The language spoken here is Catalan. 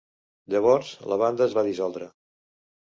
Llavors, la banda es va dissoldre.